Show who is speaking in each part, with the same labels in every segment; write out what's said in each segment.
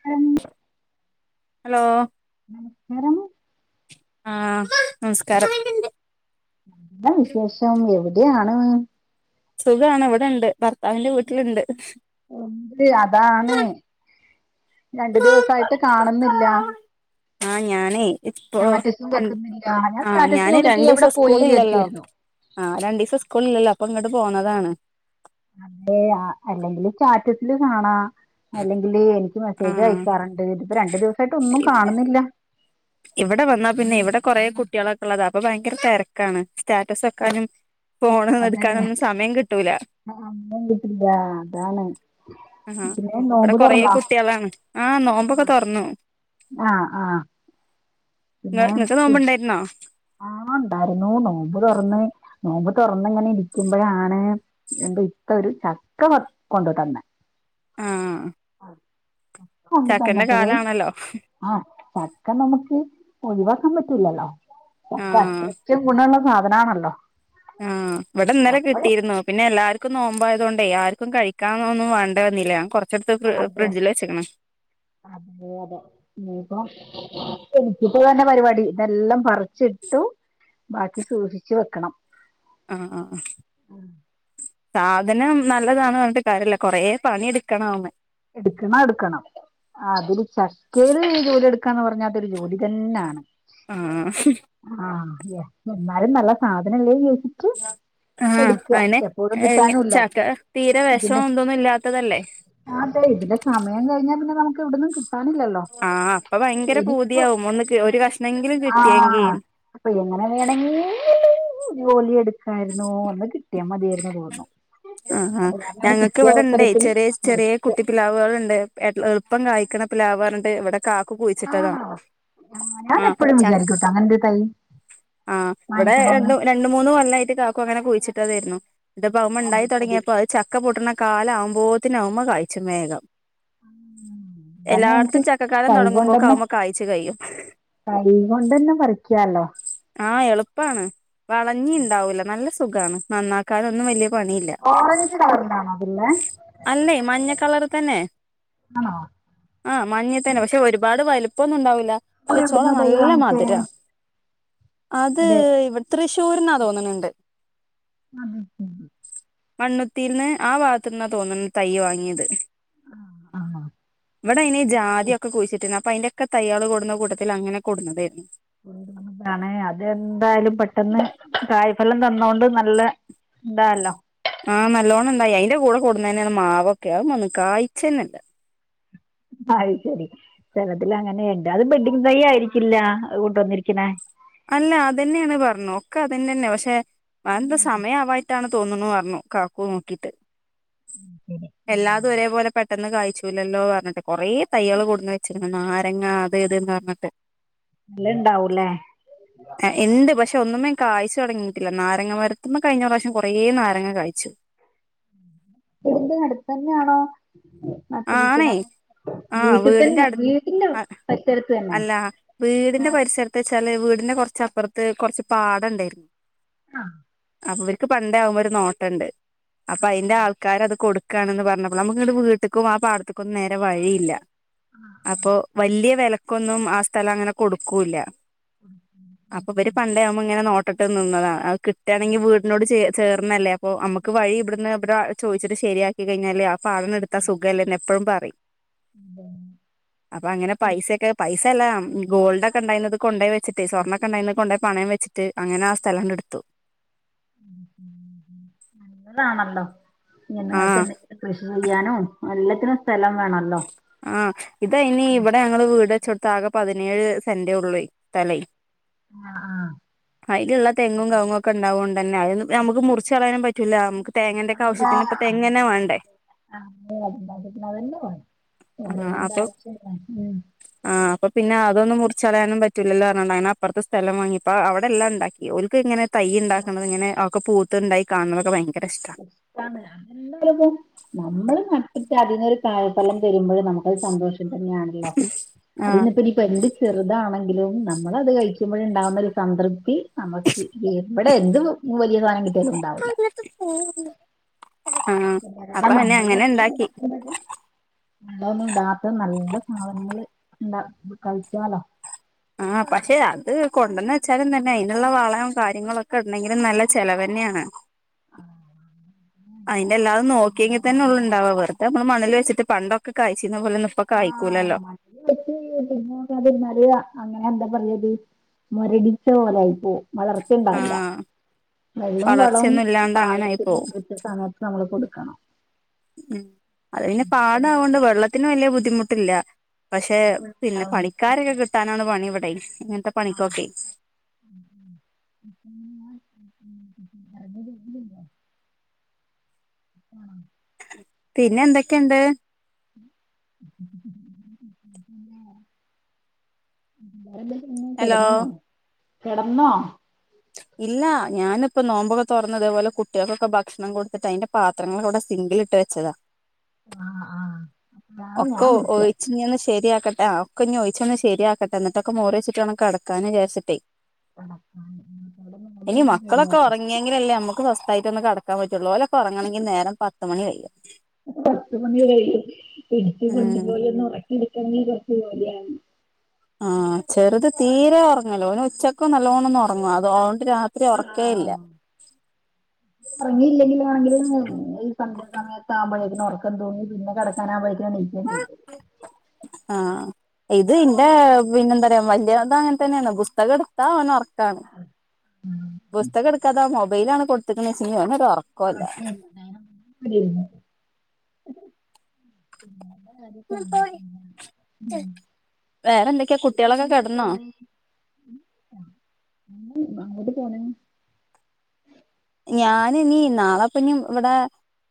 Speaker 1: ഹാ ന്ന്ന്ന്
Speaker 2: ഹലോ
Speaker 1: നമസ്കാരം
Speaker 2: ആഹമ്മാ നമസ്കാരം
Speaker 1: എന്താ വിശേഷം എവിടെയാണ്
Speaker 2: സുഖണ എവിടെ ഉണ്ട് ഭർത്താവിന്റെ വീട്ടിലുണ്ട്
Speaker 1: ഉണ്ട് അതാണ് രണ്ടു ദിവസയിട്ട് കാണുന്നില്ല
Speaker 2: ആഹ ഞാനേ ഇപ്പോൊ
Speaker 1: സ്റ്റാറ്റസും വെക്കുന്നില്ല ഞാൻ
Speaker 2: ആ
Speaker 1: സ്റ്റാറ്റസ്
Speaker 2: ഞാന്
Speaker 1: നോക്കിയിട്ട് നീ
Speaker 2: രണ്ട
Speaker 1: എവിടെ
Speaker 2: ദിവസം
Speaker 1: പോയി
Speaker 2: സ്കൂള ഇല്ലല്ലോ
Speaker 1: വിചാരിക്കായിരുന്നു
Speaker 2: ആ് രണ്ട ദിവസം സ്കൂള ഇല്ലല്ലോ അപ്പൊ ഇങ്ങോട്ട് പോന്നതാണ്
Speaker 1: ല് കാണാ അല്ലെങ്കില് എനിക്ക് മെസ്സേജ്
Speaker 2: ആഹ്
Speaker 1: അയക്കാറുണ്ട് ഇതിപ്പോ രണ്ടു ദിവസ ആയിട്ട് ഒന്നും കാണുന്നില്ല
Speaker 2: ഇവിടെ വന്നാ പിന്നെ ഇവിടെ കുറേ കുട്ടികളൊക്കെ ള്ളതാ അപ്പൊ ഭയങ്കര തെരക്കാണ് സ്റ്റാറ്റസ് അക്കാനം പോണന്ന്
Speaker 1: അതെ
Speaker 2: എടുക്കാനൊന്നും സമയം കിട്ടൂല
Speaker 1: അമ്മ വീട്ടില്ല അതാണ്
Speaker 2: ആഹാ
Speaker 1: പിന്നെ
Speaker 2: ഇവിടെ
Speaker 1: നോമ്പ്
Speaker 2: കൊറ
Speaker 1: തുറന്നാ
Speaker 2: കുട്ടികളാണ് ആ നോമ്പൊക്കെ തുറന്നു
Speaker 1: അ അ
Speaker 2: ഇങ്ങൾക്ക് നോമ്പ്ണ്ടായിരുന്നോ
Speaker 1: ആ ഉണ്ടായിരുന്നു നോമ്പ് തുറന്ന് നോമ്പ് തുറന്ന് ഇങ്ങനെ ഇരിക്കുമ്പോഴാണ് എന്റ ഇത്ത ഒരു ചക്ക കൊണ്ടു തന്ന
Speaker 2: ആഹ് ചക്കന്റെ
Speaker 1: കൊണ്ടുതന്നപയ്
Speaker 2: കാലാണല്ലോ
Speaker 1: ആ ചക്ക നമുക്ക് ഒഴിവാക്കാൻ പറ്റില്ലല്ലോ പക്ക
Speaker 2: ആഹ്
Speaker 1: അത്രക്കും ഗുണമുള്ള സാധനമാണല്ലോ
Speaker 2: ആ വടെ ഇന്നലെ കിട്ടിയിരുന്നു പിന്നെ എല്ലാർക്കും നോമ്പായതോെണ്ടെ ആർക്കും കഴിക്കാന്നൊന്നും വേണ്ട വന്നില്ല കൊറ
Speaker 1: അതെ അത അതെ നീക്കം എനിക്കിപ്പോ തന്നെ പരിപാടി ഇതെല്ലാം പറിച്ചിട്ടു ബാക്കി സൂക്ഷിച്ചു വെക്കണം
Speaker 2: ആഹ ആഹ സാധനം നല്ലതാണ് പറഞ്ഞിട്ട് കാര്യമില്ല കൊറെ പണി എടുക്കണാവുമ്മേ
Speaker 1: എടുക്കണം എടുക്കണം അതില് ചക്കയില് ജോലി എടുക്കാന്ന് പറഞ്ഞാതൊരു ജോലി തന്നെയാണ്
Speaker 2: ആഹ
Speaker 1: അ എന്നാലും നല്ല സാധനംല്ലേ
Speaker 2: ആഹ അനെ
Speaker 1: കിട്ടാനുല്ല
Speaker 2: ചക്ക തീരെ വിഷം
Speaker 1: ഇതിന്റെ
Speaker 2: എന്തൊന്നും ഇല്ലാത്തതല്ലേ
Speaker 1: അതെ ഇതിന്റെ സമയം കഴിഞ്ഞാ പിന്നെ നമുക്ക് ഇവിടുന്നും
Speaker 2: ആഹ് അപ്പൊ ഭയങ്കര പൂതിയാവും ഒന്ന് ഒരു കഷ്ണെങ്കിലും കിട്ടിയെങ്കി
Speaker 1: ആഹ് അപ്പൊ എങ്ങനെ വേണെങ്കിൽ ജോലി എടുക്കായിരുന്നോ എന്ന് കിട്ടിയാൽ മതിയായിരുന്നു തോന്നും
Speaker 2: ആ ആ് ഞങ്ങൾക്ക് ഇവിടെണ്ടേ
Speaker 1: അവസരത്തില്
Speaker 2: ചെറിയ ചെറിയ കുട്ടി
Speaker 1: എടുത്ത്
Speaker 2: അത്തി പിലാവുകുകളുണ്ട് എളുപ്പം കായിക്കണ പിലാവ് പറഞ്ഞിട്ട് ഇവിടെ കാകു കുഴിച്ചിട്ടതാ
Speaker 1: ആണോ ആ, ഞാൻ
Speaker 2: ആഹ
Speaker 1: എപ്പോഴും
Speaker 2: ചക്ക
Speaker 1: വിചാരിക്കൂട്ടോ അങ്ങനൊരു തൈ
Speaker 2: ആഹ് ഇവിടെ
Speaker 1: വാങ്ങിക്കണോന്ന്
Speaker 2: രണ്ട രണ്ട മൂന്ന് കൊല്ലമായിട്ട് കാക്കു അങ്ങനെ കുഴിച്ചിട്ടതായിരുന്നു ഇതിപ്പ അവുമ്മെ
Speaker 1: അത്
Speaker 2: ഉണ്ടായി
Speaker 1: ശരി
Speaker 2: തുടങ്ങിയപ്പോ അത് ചക്ക പൊട്ടണ കാല ആകുമ്പോത്തിനകുമ്പോ കഴിച്ചും വേഗം
Speaker 1: ഉം. കാരണം നമുക്ക്
Speaker 2: എല്ലായിടത്തും ചക്കക്കാലം
Speaker 1: കൈ
Speaker 2: തുടങ്ങുമ്പോക്കും
Speaker 1: കൊണ്ടന്നെ
Speaker 2: ആവുമ്മ് കാഴ്ച്ച് കഴിയും
Speaker 1: കൈ കൊണ്ടന്നെ പറിക്കാല്ലോ
Speaker 2: ആഹ് എളുപ്പമാണ് വളഞ്ഞി ഉണ്ടാവൂല നല്ല സുകാണ് നന്നാക്കാനൊ ഒന്നും വലിയ പണിയില്ല
Speaker 1: ഓറഞ്ച് കളറിലാണോ അതില്ലേ
Speaker 2: അല്ലേ മഞ്ഞ കളറ് തന്നെ
Speaker 1: ആണോ
Speaker 2: ആ മഞ്ഞ തന്നെ പക്ഷെ ഒരുപാട് വലുപ്പ പക്ഷെ
Speaker 1: നിങ്ങൾ
Speaker 2: ചോള
Speaker 1: എവിടുന്നാ തൈ
Speaker 2: നല്ല
Speaker 1: വാങ്ങിച്ചേ
Speaker 2: മധുര അത്
Speaker 1: അതെ
Speaker 2: ഇവിടെ തൃശ്ശൂരിന്നാ തോന്നുന്നുണ്ട്
Speaker 1: [inaudible]
Speaker 2: മണ്ണുത്തിയിൽ നിന്ന് ആ ഭാഗത്തുന്നാ തോന്ന്ണ് തയ്യ് വാങ്ങിയത്
Speaker 1: ആഹ്
Speaker 2: ഇവിടെ അയിന് ജാതിക്കെ കുഴിച്ചിട്ട അപ്പ അതിന്റൊക്കെ തയ്യള് കൊടുന്ന കൂട്ടത്തി അങ്ങനെ കൊടതായിരുന്നു
Speaker 1: എന്താണ് അതെന്തായാലും പെട്ടെന്ന് കായ്ഫലം തന്ന എന്തൊണ്ടും നല്ല ന്താല്ലോ
Speaker 2: അ അയിന്റെ കൂടെ കൂടുന്ന തന്നെയന്ന് മാവൊക്കെ ആവുമൊന്നും കായ്ച ന്നെല്ല
Speaker 1: അ ശരി ചെലത്തിൽ അങ്ങനെ എല്ലാതും ബെഡ് തൈ ആയിരിക്കില്ല അത് കൊണ്ട് വന്നിരിക്കണേ
Speaker 2: അല്ല അതന്നെയാണ് പറഞ്ഞു ഒക്കെ അതന്ന തന്നെ പക്ഷെ അത് എന്താ സമയം ആവായിട്ടാണ് തോന്നുണു പറഞ്ഞു കാകു നോക്കീട്ട് എല്ലാതും ഒരേപോലെ പെട്ടെന്ന് കഴ്ച്ചൂല്ലല്ലോ പറഞ്ഞിട്ട് കൊറെ തയ്യള് കൊടുന്നു വെച്ചരിക്ണ് നാരങ്ങ അത് ഇത് പറഞ്ഞിട്ട്
Speaker 1: നല്ല ഇണ്ടാവൂല്ലേ
Speaker 2: ആ ഉണ്ട് പക്ഷെ ഒന്നുമേ കാഴ്ച്ചു തുടങ്ങിയിട്ടില്ല നാരങ്ങ മരത്തുമ്മെ കഴിഞ്ഞ പ്രാവശ്യം കൊറെ നാരങ്ങ കായ്ച്ചു
Speaker 1: ഇടിന്റെ അടുത്ത് തന്നെയാണോ
Speaker 2: ആണേ
Speaker 1: നട്ടിരിക്കണ്
Speaker 2: ആ
Speaker 1: വീട്ടിൽ
Speaker 2: വീടിന്റെ
Speaker 1: തന്നെ
Speaker 2: അടു
Speaker 1: വീട്ടന്റെ പരിസരത്ത് തന്നെ
Speaker 2: പരിസരത്തു വെച്ചാല് വീടിന്റെ കുറച്ചപ്പുറത്ത് കുറച്ച് പാടണ്ടായിരുന്നു
Speaker 1: ആഹ
Speaker 2: അപ്പൊ ഇവർക്ക് പണ്ട ആകുമ്പോ ഒരു നോട്ടമുണ്ട് അപ്പൊ അതിന്റെ ആൾക്കാർ അത് കൊടുക്കാണെന്ന് പറഞ്ഞപ്പോ നമുക്ക് ഇ വീട്ട ആ പാടത്തക്കൊന്നും നേരെ വഴിയില്ല അപ്പോ വലിയ വില ആ സ്ഥലം അങ്ങനെ കൊടുക്കൂല്യ അപ്പൊഇവർ പണ്ടേ ആവുമ്മ ഇങ്ങനെ നോട്ടം നോട്ടം ഇിട്ടിട്ട് നിന്നതാണ് അത് കിട്ടുകയാണെങ്കിൽ വീടിനോട് ചേ ചേർന്നല്ലേ അപ്പോ നമുക്ക് വഴി ഇവിടുന്ന് ഇടെ ചോദിച്ചിട്ട ശരിയാക്കി കഴിഞാല് ആ പാട എടുത്ത സുഖമല്ലന്ന് എപ്പോഴും പറ അപ്പൊ അങ്ങനെ പൈസൊക്കെ പൈസ അല്ല ഗോൾഡ് ഒക്കെ ഉണ്ടായി കൊണ്ട പോയി വെച്ചിട്ട്
Speaker 1: ഉം
Speaker 2: സ്വർണ്ണക്കെണ്ടന്ന് കൊണ്ട പോ പണയം വെച്ചിട്ട് അങ്ങനെ ആ സ്ഥലംണ്ട എടുത്തു
Speaker 1: താണല്ലോ
Speaker 2: ആ
Speaker 1: [unintelligible] കൃഷി ചെയ്യാനും എല്ലാത്തിനും സ്ഥലം വേണല്ലോ
Speaker 2: അ ഇതനി ഇവിടെ ഞങ്ങൾ വീട് വെച്ചോ താക പതിനേഴ് സെന്റ ഉള്ള സ്ഥല
Speaker 1: ആ ആ
Speaker 2: അയിലുള്ള തെങ്ങും കവങ്ങും ഒക്കെ ഉണ്ടാവുകോണ്ട്ന്നെ അത് നമുക്ക് മുറിച്ച് കളയാനും പറ്റൂല്ല നമുക്ക് തേങ്ങന്റെക്കെ അവു ശത്തിന് പ്പ തേങ്ങനെ വേണ്ടേ
Speaker 1: അ [unintelligible]
Speaker 2: ആഅപ്പം ആ അപ്പൊ പിന്നെ അതൊന്നും മുറിച്ചളയാനും പറ്റില്ലല്ലോ പറഞ്ഞണ്ട് അങ്ങന അപ്പുറത്തെ സ്ഥല വാങ്ങിപ്പോ അവിടെ എല്ലാം ഉണ്ടാക്കിഓൽക്ക് ഇങ്ങനെ തൈ ഉണ്ടാക്കണുന്നത് ഇങ്ങനെ ഒക്കെ പൂത്തുണ്ടായി കാണുന്നതക്കെ ഭയങ്ക
Speaker 1: ഇഷ്ടണ് [unintelligible] നമ്മള് [unintelligible] റ്റ് അതിനൊരു കായ ഫലം തരുമ്പോൾ നമുക്കത് സന്തോഷം അങ്ങത്തന്നെണല്ലോ
Speaker 2: ആ
Speaker 1: അത് പ്പ യെന്ത് ചെറത്താണെങ്കി ലും നമ്മളത് കഴിക്കുമ്പോഴ ഉണ്ടാവുന്ന ഒരു സംതൃപ്തി നമുക്ക് ഇവിടെ എന്ത് വലിയ സാധനം കിട്ടിയാലും ഉണ്ടാവില്ല
Speaker 2: ആഹ്
Speaker 1: [unintelligible]
Speaker 2: അപ്പൊ അവനെ
Speaker 1: നമ്മള്
Speaker 2: അങ്ങനെ
Speaker 1: അധ്തന്ന
Speaker 2: ഇണ്ടാക്കി
Speaker 1: ഉണ്ടാക്കുമ്പൾ വള്ള ഒന്നും ഇടാത്ത നല്ല സാധനങ്ങള് ഉണ്ട കഴിക്കാലോ
Speaker 2: ആ പക്ഷെ അത് കൊണ്ടന്ന് വെച്ചാലും തന്നെ അതിനുള്ള വാളവും കാര്യങ്ങളൊക്കെ ഉണ്ടെങ്കിലും നല്ല ചെിലവന്നെയാണ്
Speaker 1: അ
Speaker 2: അന്റെ എല്ലാതും നോക്കെങ്ങി തന്നെ ഉള്ള ഉണ്ടാവ വെറുതെ നമ്മൾ മണിൽ വച്ചിട്ട് പണ്ടൊക്കെ കഴ്
Speaker 1: ആ മണ്ണിൽ വെച്ച് [unintelligible] നോക്കാതിരുന്നൽ അങ്ങനെ എന്ത പറന്നരി മോരടിച്ച പോലൊയിപ്പോവും വളർച്ചയുണ്ടാവില്ല
Speaker 2: ആഹ്
Speaker 1: വെള്ളും വളവും
Speaker 2: വളർച്ചയൊന്നും ഇല്ലാണ്ട് അങ്ങനെ ആയി
Speaker 1: പാഗതിന്
Speaker 2: പോവും
Speaker 1: കൃത്ത സമയത്ത് നമ്മള് കൊടുക്കണം
Speaker 2: ഉം അത് പിന്നെ പാട കോണ്ട് വെള്ളത്തിന് വലിയ ബുദ്ധിമുട്ടില്ല പക്ഷെ പിന്നെ പണിക്കാരൊക്കെ കിട്ടാനാണ് പണി ഇവിടെ ഇങ്ങനത്തെ
Speaker 1: ആ
Speaker 2: പണിക്കൊക്കെ
Speaker 1: മ് മ് [unintelligible] [unintelligible] ആ
Speaker 2: പിന്നെ എന്തൊക്കെയുണ്ട്
Speaker 1: [inaudible] വേറെ
Speaker 2: ഹലോ
Speaker 1: എന്ധെക്കെകിടന്നോ കിടന്നോ
Speaker 2: ഇല്ല ഞാനിപ്പ നോമ്പൊക്കെ തുറന്നതേപോലെ കുട്ടികൾക്കൊക്കെ ഭക്ഷണം കൊടുത്തിട്ട് അതിന്റെ പത്രങ്ങളൾ ഒക്കെ ഇവിടെ സിംഗ് ഗിൽഇട്ട് വെച്ചതാ
Speaker 1: ആഹ് ആഹ് അപ്പഴാണ് ഞാൻ
Speaker 2: ഒക്കെ
Speaker 1: വിളിച്ചത്
Speaker 2: ഒഴിച്ച് ഇങ്ങനെ ശരിയാക്കി ക്കട്ടെ ആഒക്ക ചോദിച്ച ഒന്ന് ശരിയാക്കട്ടെ എന്നിട്ടൊക്കെ മോറി വെച്ചി്ട്ടണം കെടക്കാന്ന് വിചാരിച്ചിട്ട്
Speaker 1: ആ
Speaker 2: ഇനി മക്കളൊക്കെ ഉറങ്ങിയെങ്കില അല്ലേ നമ്മുക്ക് സ്വസ്ഥയിട്ട ഒന്ന് കടക്കാൻ പറ്റുള്ളൂ ഓല ക്കെ ഒറങ്ങണെങ്കിൽ നേരം പത്ത് മണി കയ്യ
Speaker 1: ഇടുക്കി കൊണ്ടുപോല ഒന്ന് ഉറക്കി ഇടുക്കനങ്ങിൽ കുറച്ച് ജോലിയാണ്
Speaker 2: ആ ചെറുത് തീരെ ഉറങ്ങല്ലോ ഓൻ ഉച്ചക്ക് നല്ലോണ്ണംന്ന ഉറങ്ങും അതെ രാത്രി ഉറക്കേയില്ല
Speaker 1: ഇറങ്ങിയില്ലെങ്കിലാണെങ്കിലിൽ ഈ സദ്യ സമയത്ത് ആമ്പോഴേതിന് ഉറക്കം തൂങ്ങി പിന്നെ കിടക്കാനാവുമ്പോത്തിന് എനിക്കും ചെയ്യും
Speaker 2: ആ ഇത് ഇന്റെ പിന്നെന്താ പറയാ വലിയത അങ്ങനെ തന്നെയാണ് പുസ്തകം എടുത്താ ഓനെ ർ ക്കാണ് പുസ്തകം എടുക്കാതെ മൊബൈലണ് കൊടുത്തക്ക്ണ് ചിങ്കിൽ ഓനൊരു ഓർ
Speaker 1: [unintelligible] [unintelligible]
Speaker 2: വേറെ എന്തൊക്കെയാ
Speaker 1: ഇനി
Speaker 2: കുട്ടികളൊക്കെ
Speaker 1: എന്നാ
Speaker 2: കെടന്നോ
Speaker 1: പോണ അങ്ങോട്ട് പോണ്
Speaker 2: ഞാന ഇനി നാളെപ്പഞ്ഞും ഇവിടെ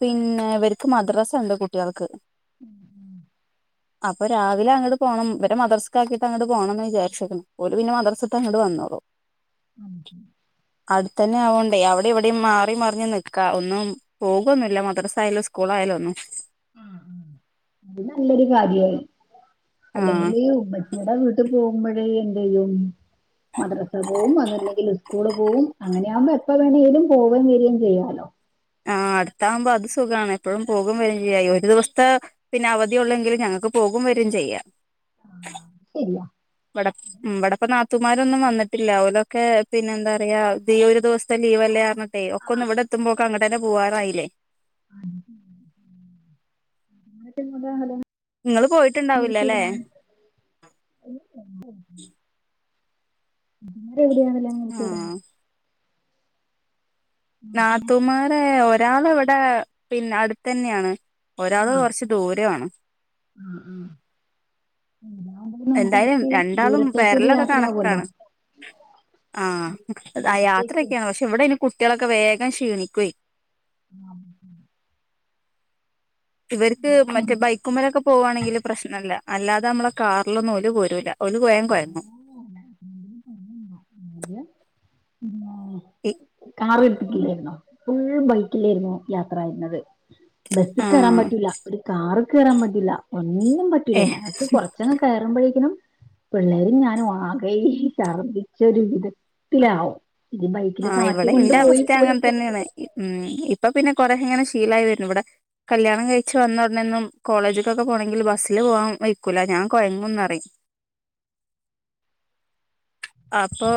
Speaker 2: പിന്നെ ഇവർക്ക് മദ്രാസ ഉണ്ട് കുട്ടികൾക്ക്
Speaker 1: ഉം ഉം
Speaker 2: അപ്പൊ രാവിലെ അങ്ങോ് പോണം ഇ വ മദർസക്ക ആാക്കിട്ട് അങ്ങോട്ട പോണംന്ന് വിചാരിുന്നു പോല പിന്നെ മദർസത്ത് അങ്ങട് വന്നു ആോ
Speaker 1: അ
Speaker 2: അടുത്ത തന്നെ ആവണ്ടേ അവിടെ എടെ എവിടെയും മാറി മറിഞ്ഞ നിൽക്കാ ഒന്നും പോകൊന്നുമില്ല മദ്രസായാലോ സ്കൂൾ ആായാലോ ഒന്നും
Speaker 1: ആ അത് നല്ലൊരു കാര്യമാണ്
Speaker 2: ആഹ്
Speaker 1: അല്ലെങ്കില് ഉമ്മറ്റിയുടെ വീട്ടു പോകുമ്പോഴേ എന്ത ചെയ്യും മദ്രസ പോവും അന്നല്ലെങ്കിൽ ഉസ്കൂള് പോകവും അങ്ങനെയ ആകുമ്പോ എപ്പ വേണമെങ്കിലും പോവയും വരിയേം ചെയ്യാലോ
Speaker 2: ആ അടുത്താവകുമ്പോ അത് സുഖമാണ് എപ്പോഴും പോകും വരും ചെയ്യായി ഒരു ദിവത്തെ പിന്നെ അവധിയള്ളെങ്കിലും ഞങ്ങക്ക് നക്ക് പോകും വരും ചെയ്യാം
Speaker 1: ആഹ ശരില്ല
Speaker 2: വട ഉ വടപ്പ നാ ത്തമാരൊന്നും വന്നിട്ടില്ല അവലൊക്കെ പിന്നെ എന്താ പറയയാ ഈ ഒരു ദിവസത്തെ ലീവ് അല്ലായിറിഞ്ഞിട്ടെ ഒക്കെ ഒന്ന് ഇവിടെ എത്തുമ്പോൊക്കെ അങ്ങട്ട തന്നെ പോകവാറായില്ലേ
Speaker 1: താ ശരിക്ക ഞങ്ങടിവടണേലും
Speaker 2: ഇങ്ങള് പോയിട്ടുണ്ടാവൂലല്ലേ
Speaker 1: ഞൻ വി ചെയര
Speaker 2: ആഹ് നാത്തുമാരെ ഒരാളവിടെ പിന്നെ അടുത്തന്നെയാണ് ഒരാള്
Speaker 1: ആഹ്
Speaker 2: കൊറച്ച് ദൂരണ്
Speaker 1: ആഹ് ആഹ് ഇതാവുമ്പോ നമുക്ക്
Speaker 2: എന്തായാലും
Speaker 1: ഇടക്ക്
Speaker 2: രണ്ടാളും
Speaker 1: ദൂരത്തേക്ക് ഒരു
Speaker 2: വരലൊക്കെ
Speaker 1: യാത്രയാവുമല്ലോ
Speaker 2: കണക്കാണ് ആഹ് ആ
Speaker 1: ദൂരത്തേക്ക്
Speaker 2: യാത്രയൊക്കെയാണ് പക്ഷെ ഇവിടെ ഇന് കുട്ടികളൊക്കെ വേഗം ക്ഷീണിക്കയി
Speaker 1: ആഹ
Speaker 2: ഇവർക്ക് മറ്റേ ബൈക്കുമ പോവുവാണെങ്കില് പ്രശ്നമല്ല അല്ലാതെ നമ്മളെ കാറിലൊന്നും ഓര് പോരൂല്ല അവള് കോയാൻ കുയന്നു
Speaker 1: അ ആഹ കാർ എടുത്തിട്ടില്ലായിുന്നോ ഫുൾ ബൈക്കിലായിരുന്നു യാത്രായിരുന്നത് ബസ്സി കയറാൻ
Speaker 2: ആഹ്
Speaker 1: പറ്റൂല ഒരു ക ഒന്നും പറ്റൂില്ല
Speaker 2: ഏ
Speaker 1: ഞങ്ങൾക്ക് കൊറച്ചന കയറുമ്പോഴേക്കനും പിള്ളേരും ഞാനും ആകയി ചർദിച്ച ഒരു വിധത്തിലാവും ഇത് ബൈക്കില് കാ
Speaker 2: അടെ ഇന്റെ അവസ്ഥ അങ്ങനെ തന്നെയാണ് ഉ ഇപ്പൊ പിന്നെ കൊറെങ്ങനെ ശീലായി വരുന്നു ഇവിടെ കല്യാണം കഴിച്ചു വന്നോടനന്നും കോളേജക്കൊക്കെ പോണെങ്കിൽ ബസ്സില് പോവാാൻ വിെക്കൂില്ല ഞാൻ കോയങ്ങന്ന്റ അപ്പൊ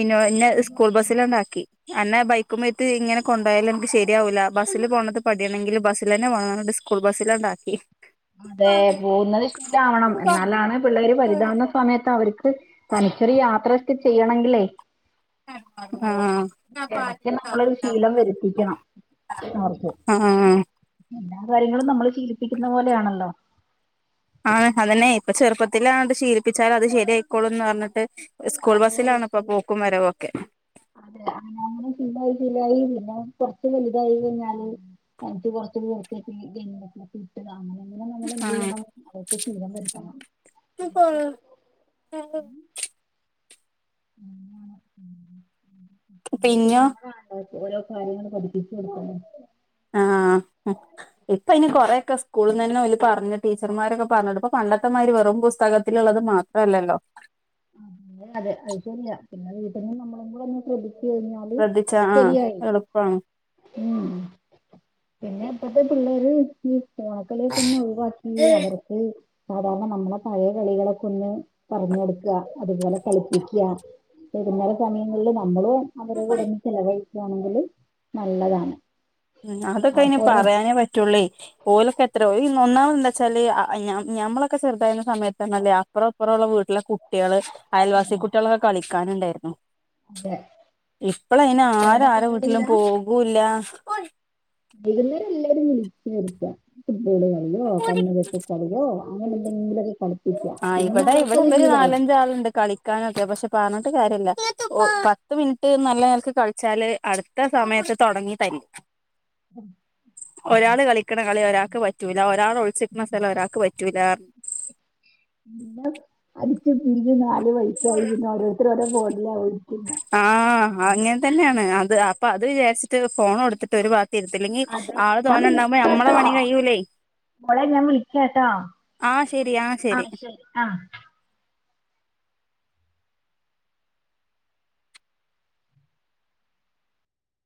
Speaker 2: ഇോ ഇന്നെ സ്കൂൾ ബസ്സില ഉണ്ടാക്കി എന്ന്നെ ബൈക്കുമ്പേ് ഇങ്ങെ കൊണ്ട പോയാല എനിക്ക്രിയാകില്ല ബസിൽ പോണ പടിയണെങ്കിൽ ബസൽ തന്നെ പോണം ഡിസ് ബസിലാണ്ടാക്കി
Speaker 1: അതെ പോകുന്നത് ഇഷ്ടാവണം വണം എന്നാലാണ് പിള്ളേര് വലുതാവുന്ന സമയത്ത് അവർക്ക് തനിച്ചൊറ യാത്രൊക്കെ ചെയ്യണെങ്കില്ലേ
Speaker 2: ആഹ്
Speaker 1: ഇടക്ക് നമ്മളൊരു ശീലം വരുത്തിക്കണം അവഓർക്ക്
Speaker 2: ആഹ്
Speaker 1: എല്ലാ കാര്യങ്ങളും നമ്മള് ശീലിപ്പിക്കുന്ന പോലെയാണല്ലോ
Speaker 2: ആഹ അതന്നെ ഇപ്പൊ ചെറുപ്പത്തിലാ ശീലിപ്പിച്ചാലൽ അത് ശരിയയിക്കോളൂ എന്ന് പറഞ്ഞിട്ട് സ്കൂൾ
Speaker 1: അതെെ
Speaker 2: ബസ്സിലാണ് ഇപ്പൊ പോക്കും വരവൊക്കെ
Speaker 1: അതെ ഞങ്ങ ശീലായി ശീല്ലായി പിന്നെ കുറച്ച് വലുതായി കഴഞ്ഞാല് എനിക്ക് കൊറച്ച് പർത്തൊക്കെ ഗക്കെ ഇട്ടനെ അങ്ങനെ നമ്മൾ എന്ത്
Speaker 2: ആഹ്
Speaker 1: ചെയ്യണം അവതൊക്കെ ശീരം വരുത്തണം ഉം അ നമ്മ
Speaker 2: പിന്നോ
Speaker 1: വേണ്ട ഓരോ കാര്യങ്ങൾ പഠിപ്പിച്ചു കൊടു
Speaker 2: ആ ഇപ്പ ഇനി കൊറെൊക്കെ സ്കൂളിൽന്ന്ന്നെ പറഞ്ഞട്ട് ടീച്ചർമാരൊക്കെ പറഞ്ഞട്ട് ഇപ്പൊ പണ്ടത്തെമാര് പറ വെറും പുസ്തകത്തിലുള്ളത് മാത്രല്ലല്ലോ
Speaker 1: അതെ അതെ അത്ശെരിയാ പിന്നെ വീട്ട്ന്ന് നമ്മളും കൂടൊന്ന് ശ്രദ്ധി ച്ച് കഴിഞ്ഞൽ
Speaker 2: ശ്രദ്ധിച്ചാ ആഹ്
Speaker 1: ശെരിയായി
Speaker 2: എളുപ്പാണ്
Speaker 1: പിന്നെപ്പത്തെ പിള്ളേര് ഈ ഫോണ് കള്യൊക്കൊന്നൊഴിവാക്കി അവർക്ക് സാധാരണ നമ്മളെ പഴേ കളികളൊക്കൊന്ന് പറഞ് കൊട്ക്ക ക്ക അതുപോലെ കളിപ്പിക്ക വൈകുന്നേരം സമയങ്ങളിൽ നമ്മളും അവരെ കൂടൊന്ന് ചെലവഴി ക്കാണെങ്കിൽ നല്ലതാണ്
Speaker 2: മ്മ് അതൊക്കയ്ന്
Speaker 1: അവർക്ക് ഓരോ
Speaker 2: പറ്യാനേ പറ്റൊള്ളേ ഓലൊക്കെത്രേ ഓൽ ഒന്നാമതെന്താച്ചാല് ഞമ്മളൊക്കെ ചെറ്തായിന്ന സമയത്തെന്നാൽ അപ്പൊറും പ്പൊറുള്ള വീട്ടിലെ കുട്ട്യാൾ അയൽവാസി കുട്ട്യാളൊക്കെ കളിക്കാന്ണ്ടായ്ര്ന്നു
Speaker 1: അതെ
Speaker 2: ഇപ്പളയ്ന്ം ആര്
Speaker 1: അവിടെ
Speaker 2: ആരെ വീട്ട്ലും
Speaker 1: കുട്ടികളില്ല
Speaker 2: പോകൂല്ല
Speaker 1: വൈകുന്നേരം എല്ലാരും വിളിച്ചരിക്ക പുട്ടികള് കളിയോ കണ്ണുകട്ട കളിയോ അങ്ങനെന്തെങ്കിലൊക്കെ ക
Speaker 2: ആ ഇവ്ടെ ഇവിടെ ഇവര് നാലഞ്ച് ആള്ണ്ട് കളിക്കാനൊക്കെ പക്ഷെ പറ്ഞ്ഞ്ട്ട് കാര്യല്ല പത്ത് മിനിറ്റ് നല്ല നെല്ക്ക് കള്ച്ചാല് അട്ത്ത സമയത്ത് തൊട്ങ്ങി ത മ് ഒരാൾ കളിക്ക്ണ കളി ഒരാക്ക് പറ്റൂില്ല ഒരാൾ ഒള്ച്ചിര്ക്ക്ണ സ്ഥലം ഒരാക്ക് പ റ്റൂലാ
Speaker 1: പിന്നെ അട്ച്ച് പിരിയും നാ ൽ വഴിക്കായി പിന്നെ ഓരോര്ത്തര് ഫോണ്ലാ [unintelligible]
Speaker 2: അ അപ്പത് വിചാര്ച്ച്ട്ട് ഫോണൊട്ത്ത്ട്ട് ഒരു ഭാ ത്തിര്ത്തൽ ഞി
Speaker 1: അതെ
Speaker 2: ആള്
Speaker 1: ഞാൻ
Speaker 2: തോനെണ്ടാവുമ്പോ നമ്മടെ
Speaker 1: വിളിക്കാട്ടോ
Speaker 2: പണി കയ്യൂലേ
Speaker 1: മോളെ ഞാൻ വിളിക്ക്യാട്ടാ
Speaker 2: ആഹ് ശരി ആഹ്
Speaker 1: ആ
Speaker 2: ശരി
Speaker 1: ശെരി ആ